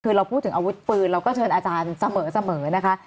คือเราพูดถึงอาวุธปืนเราก็เชิญอาจารย์เสมอนะคะ